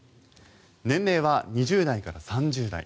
年齢は２０代から３０代。